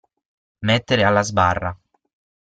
Mettere alla sbarra.